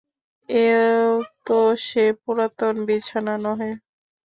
এও তো সে পুরাতন বিছানা নহে।